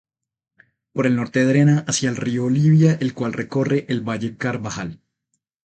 Por el norte drena hacia el río Olivia, el cual recorre el valle Carbajal.